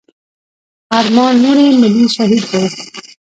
ارمان لوڼي ملي شهيد دی.